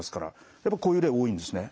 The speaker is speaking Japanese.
やっぱこういう例多いんですね？